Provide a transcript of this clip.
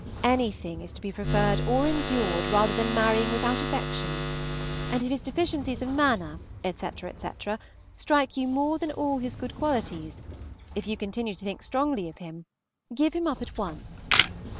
Anything is to be preferred or endured rather than marrying without affection; and if his deficiencies of manner, etc., etc., strike you more than all his good qualities, if you continue to think strongly of them, give him up at once.